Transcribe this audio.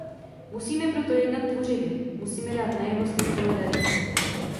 Musíme proto jednat tvořivě; musíme dát najevo svou solidaritu.